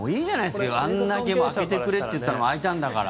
あんだけ開けてくれって言ったの開いたんだから。